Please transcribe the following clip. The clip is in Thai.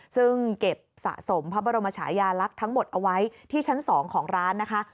ซึ่งเก็บสะสมพระบรมชายาลักษณ์ทั้งหมดเอาไว้ที่ชั้น๒ของร้านนะคะ